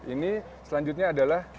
ini selanjutnya adalah